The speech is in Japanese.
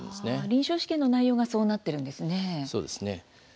臨床試験の内容がそうなっているんですね。